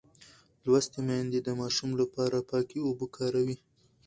لوستې میندې د ماشوم لپاره پاکې اوبه کاروي.